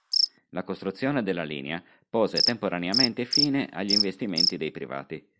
La costruzione della linea pose temporaneamente fine agli investimenti dei privati.